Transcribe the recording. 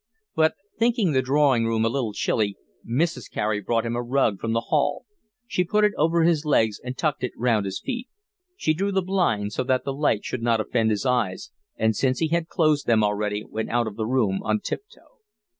But thinking the drawing room a little chilly, Mrs. Carey brought him a rug from the hall; she put it over his legs and tucked it round his feet. She drew the blinds so that the light should not offend his eyes, and since he had closed them already went out of the room on tiptoe.